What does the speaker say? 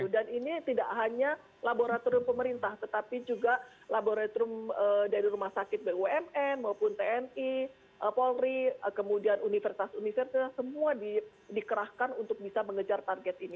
dan ini tidak hanya laboratorium pemerintah tetapi juga laboratorium dari rumah sakit bumn maupun tni polri kemudian universitas universitas semua dikerahkan untuk bisa mengejar target ini